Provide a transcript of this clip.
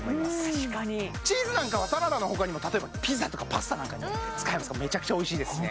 確かにチーズなんかはサラダの他にも例えばピザとかパスタなんかに使えますからめちゃくちゃおいしいですしね